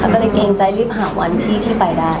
ก็เลยเกรงใจรีบหาวันที่ไปได้